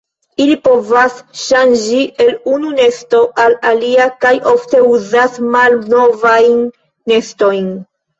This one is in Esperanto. Ili povas ŝanĝi el unu nesto al alia kaj ofte uzas malnovajn nestojn.